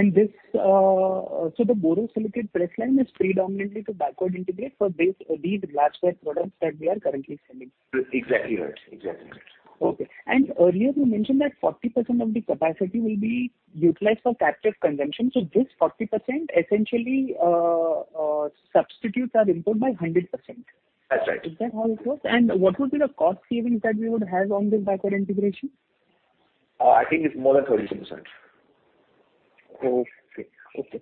The borosilicate press line is predominantly to backward integrate for these glassware products that we are currently selling. Exactly right. Exactly right. Okay. Earlier you mentioned that 40% of the capacity will be utilized for captive consumption. This 40% essentially substitutes our import by 100%. That's right. Is that how it works? What would be the cost savings that we would have on this backward integration? I think it's more than 30%. Okay. Okay.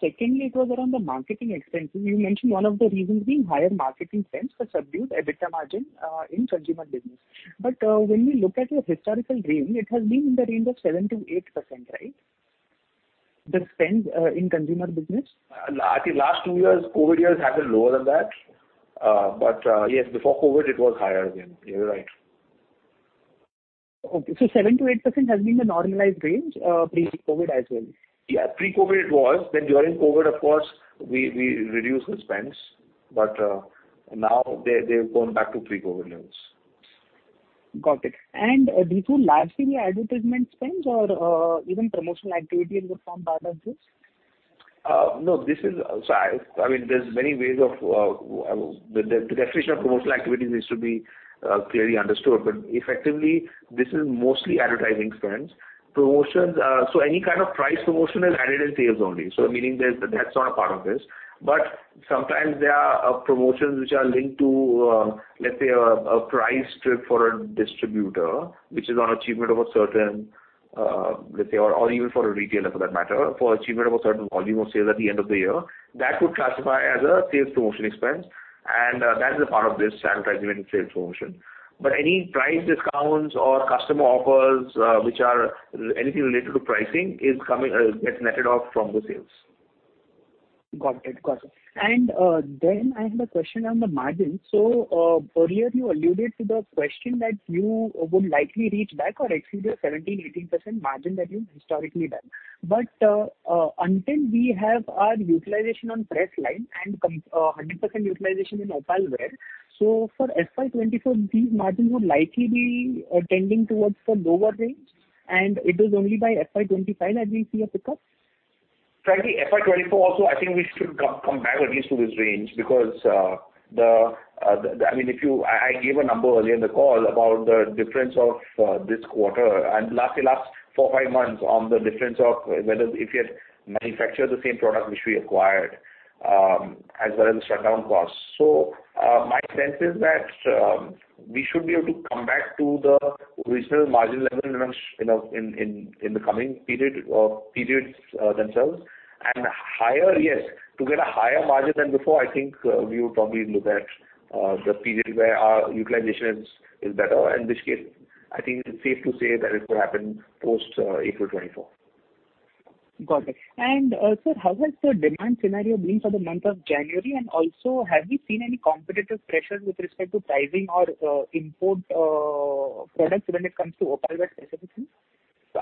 Secondly it was around the marketing expenses. You mentioned one of the reasons being higher marketing spends for subdued EBITDA margin in consumer business. When we look at your historical range, it has been in the range of 7%-8%, right? The spend in consumer business. I think last two years, COVID years have been lower than that. Yes, before COVID it was higher than. You're right. Okay. 7%-8% has been the normalized range, pre-COVID as well? Yeah, pre-COVID it was. During COVID of course we reduced the spends. Now they've gone back to pre-COVID levels. Got it. These were largely advertisement spends or even promotional activities would form part of this? No. I mean there's many ways of the definition of promotional activities needs to be clearly understood. Effectively this is mostly advertising spends. Promotions, any kind of price promotion is added in sales only. Meaning there's, that's not a part of this. Sometimes there are promotions which are linked to, let's say a prize trip for a distributor which is on achievement of a certain, let's say or even for a retailer for that matter, for achievement of a certain volume of sales at the end of the year. That would classify as a sales promotion expense, and that is a part of this, advertising and sales promotion. Any price discounts or customer offers, which are anything related to pricing is coming, gets netted off from the sales. Got it. Got it. Then I have a question on the margin. Earlier you alluded to the question that you would likely reach back or exceed your 17%-18% margin that you've historically done. Until we have our utilization on press line and 100% utilization in opalware, for FY24 the margin would likely be tending towards the lower range and it is only by FY25 that we see a pickup? FY24 also I think we should come back at least to this range because, the, I mean, I gave a number earlier in the call about the difference of this quarter and lastly last four, five months on the difference of whether if we had manufactured the same product which we acquired, as well as the shutdown costs. My sense is that we should be able to come back to the original margin levels in the coming period or periods themselves. Higher, yes, to get a higher margin than before, I think, we would probably look at the period where our utilization is better. In which case I think it's safe to say that it will happen post April 2024. Got it. Sir, how has the demand scenario been for the month of January? Also, have you seen any competitive pressure with respect to pricing or import products when it comes to Opalware specifically?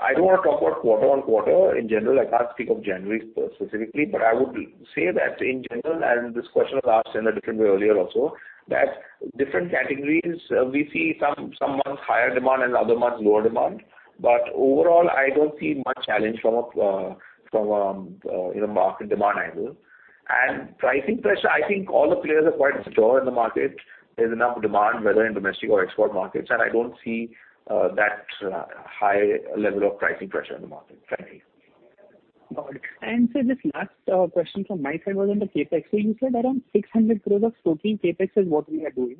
I don't wanna talk about quarter on quarter. In general, I can't speak of January specifically. I would say that in general, this question was asked in a different way earlier also, that different categories, we see some months higher demand and other months lower demand. Overall, I don't see much challenge from a, from a, you know, market demand angle. Pricing pressure, I think all the players are quite strong in the market. There's enough demand, whether in domestic or export markets. I don't see that high level of pricing pressure in the market, frankly. Got it. Sir, this last question from my side was on the CapEx. You said around 600 crores of total CapEx is what we are doing.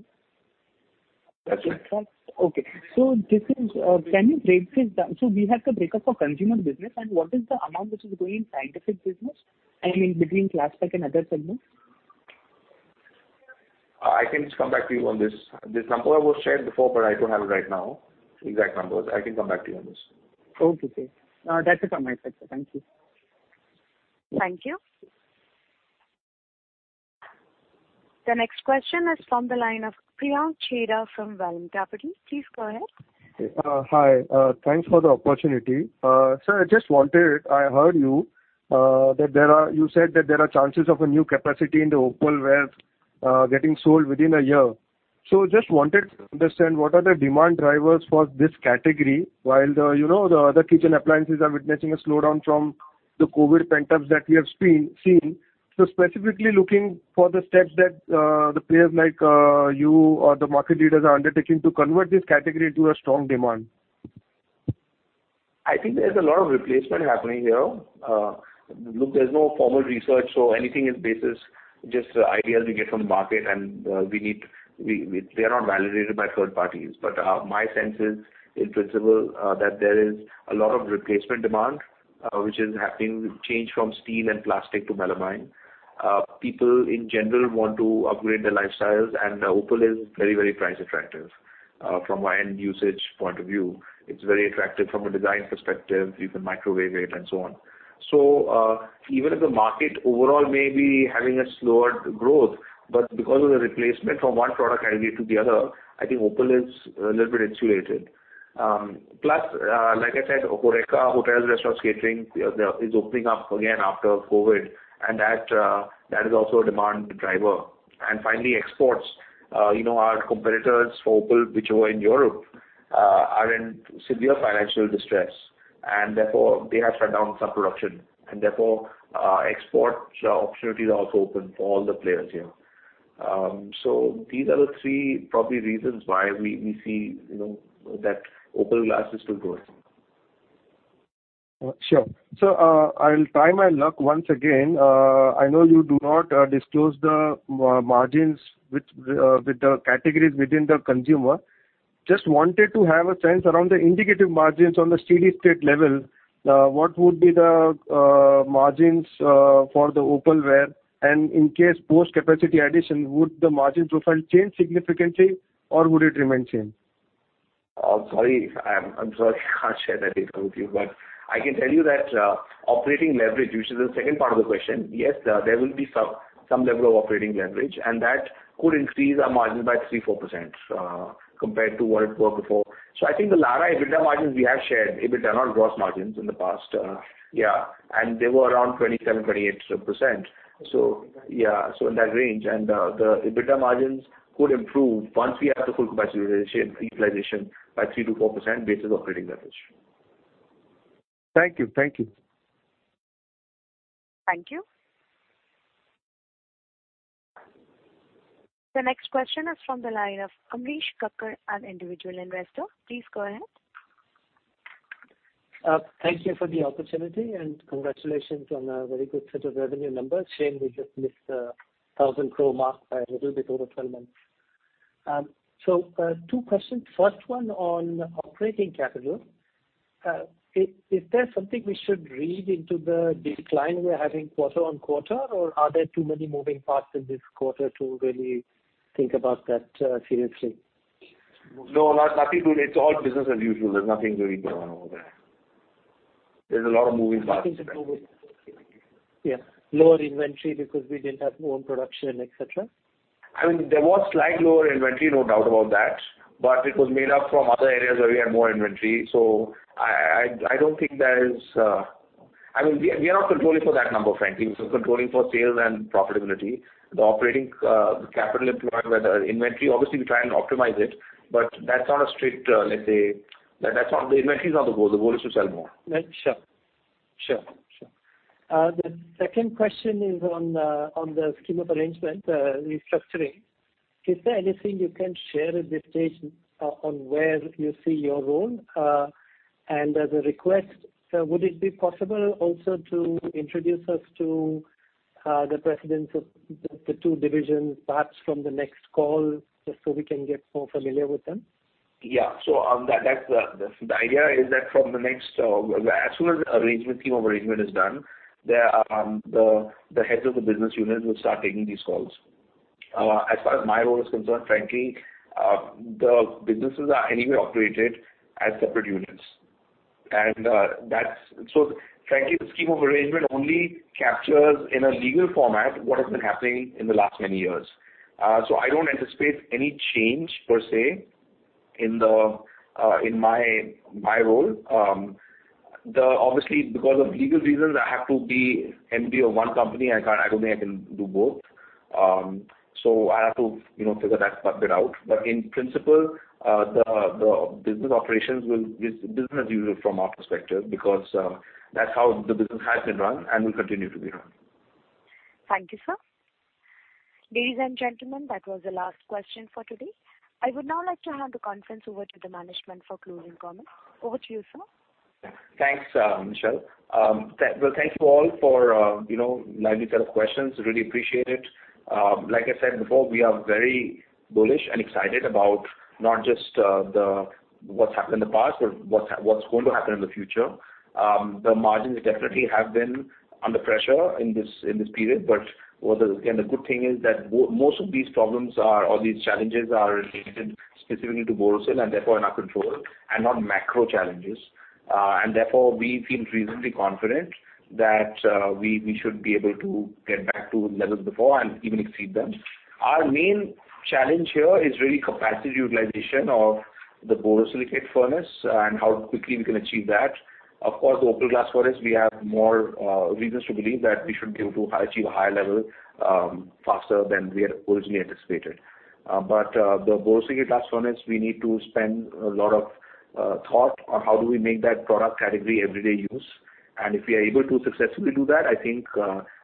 That's right. Okay. Can you break this down? We have the breakup of consumer business, and what is the amount which is going in scientific business and in between Klasspack and other segments? I can just come back to you on this. This number was shared before, but I don't have it right now, exact numbers. I can come back to you on this. Okay, sir. That's it from my side, sir. Thank you. Thank you. The next question is from the line of Priyank Chheda from Vallum Capital. Please go ahead. Hi. Thanks for the opportunity. Sir, I heard you that You said that there are chances of a new capacity in the opalware getting sold within a year. Just wanted to understand what are the demand drivers for this category while the, you know, the other kitchen appliances are witnessing a slowdown from the COVID pent-ups that we have seen? Specifically looking for the steps that the players like you or the market leaders are undertaking to convert this category into a strong demand? I think there's a lot of replacement happening here. Look, there's no formal research, so anything is basis, just ideas we get from the market and, They are not validated by third parties. My sense is, in principle, that there is a lot of replacement demand, which is happening, change from steel and plastic to melamine. People in general want to upgrade their lifestyles, and opal is very, very price attractive, from a end usage point of view. It's very attractive from a design perspective. You can microwave it, and so on. Even if the market overall may be having a slower growth, but because of the replacement from one product category to the other, I think opal is a little bit insulated. Plus, like I said, HORECA, hotels, restaurants, catering, is opening up again after COVID, and that is also a demand driver. Finally, exports. You know, our competitors for opal, which were in Europe, are in severe financial distress, and therefore they have shut down some production, and therefore, export opportunities are also open for all the players here. These are the three probably reasons why we see, you know, that opal glass is still growing. Sure. I'll try my luck once again. I know you do not disclose the margins with the categories within the consumer. Just wanted to have a sense around the indicative margins on the steady-state level. What would be the margins for the Opalware? In case post-capacity addition, would the margin profile change significantly or would it remain same? Sorry. I'm sorry I can't share that data with you. I can tell you that operating leverage, which is the second part of the question, yes, there will be some level of operating leverage, and that could increase our margin by 3-4% compared to what it were before. I think the Larah EBITDA margins we have shared, EBITDA, not gross margins, in the past. Yeah, they were around 27%-28%. Yeah, so in that range. The EBITDA margins could improve once we have the full capacity utilization by 3%-4% basis operating leverage. Thank you. Thank you. Thank you. The next question is from the line of Amrish Kakkar, an individual investor. Please go ahead. Thank you for the opportunity, congratulations on a very good set of revenue numbers. Shame we just missed the 1,000 crore mark by a little bit over 12 months. two questions. First one on operating capital. Is there something we should read into the decline we are having quarter-on-quarter, or are there too many moving parts in this quarter to really think about that seriously? No, nothing to read. It's all business as usual. There's nothing really going on over there. There's a lot of moving parts. Moving parts. Yeah. Lower inventory because we didn't have more production, et cetera? I mean, there was slightly lower inventory, no doubt about that, but it was made up from other areas where we had more inventory. I don't think there is. I mean, we are not controlling for that number, frankly. We're controlling for sales and profitability. The operating capital employed, whether inventory, obviously we try and optimize it, but that's not a strict, let's say. That's not. The inventory is not the goal. The goal is to sell more. Right. Sure. Sure. The second question is on on the scheme of arrangement restructuring? Is there anything you can share with the stage on where you see your role? As a request, would it be possible also to introduce us to the presidents of the two divisions, perhaps from the next call, just so we can get more familiar with them? Yeah. The idea is that from the next, as soon as the arrangement, scheme of arrangement is done, the heads of the business units will start taking these calls. As far as my role is concerned, frankly, the businesses are anyway operated as separate units. Frankly, the scheme of arrangement only captures in a legal format what has been happening in the last many years. I don't anticipate any change per se in my role. Obviously, because of legal reasons, I have to be MD of one company. I don't think I can do both. I have to, you know, figure that part bit out. In principle, the business operations will be business as usual from our perspective because, that's how the business has been run and will continue to be run. Thank you, sir. Ladies and gentlemen, that was the last question for today. I would now like to hand the conference over to the management for closing comments. Over to you, sir. Thanks, Michelle. Well, thank you all for, you know, lively set of questions. Really appreciate it. Like I said before, we are very bullish and excited about not just what's happened in the past, but what's going to happen in the future. The margins definitely have been under pressure in this, in this period, but the good thing is that most of these problems are, or these challenges are related specifically to Borosil, and therefore in our control and not macro challenges. Therefore, we feel reasonably confident that we should be able to get back to levels before and even exceed them. Our main challenge here is really capacity utilization of the borosilicate furnace and how quickly we can achieve that. Of course, Opal Glass furnace, we have more reasons to believe that we should be able to achieve a higher level faster than we had originally anticipated. The borosilicate glass furnace, we need to spend a lot of thought on how do we make that product category everyday use. If we are able to successfully do that, I think,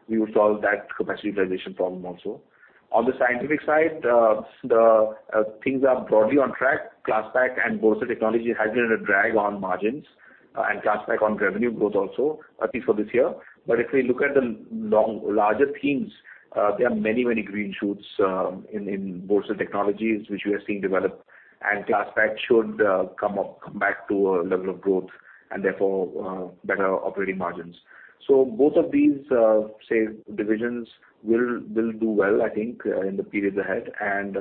we will solve that capacity utilization problem also. On the scientific side, the things are broadly on track. Klasspack and Borosil Technologies has been a drag on margins, and Klasspack on revenue growth also, at least for this year. If we look at the long, larger themes, there are many, many green shoots in Borosil Technologies which we are seeing develop. Klasspack should come back to a level of growth and therefore, better operating margins. Both of these, say, divisions will do well, I think, in the periods ahead.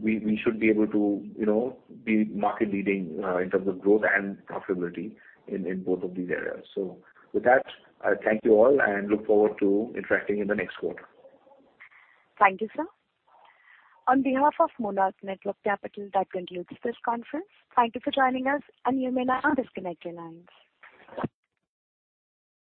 We should be able to, you know, be market leading, in terms of growth and profitability in both of these areas. With that, I thank you all and look forward to interacting in the next quarter. Thank you, sir. On behalf of Monarch Networth Capital, that concludes this conference. Thank you for joining us. You may now disconnect your lines.